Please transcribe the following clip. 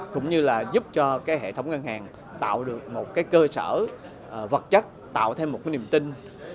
cũng như là giúp cho hệ thống ngân hàng tạo được một cơ sở vật chất tạo thêm một cái niềm tin